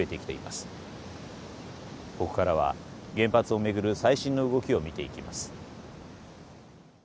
ここからは原発を巡る最新の動きを見ていきます。